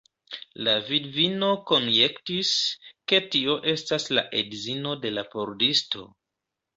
La vidvino konjektis, ke tio estas la edzino de la pordisto.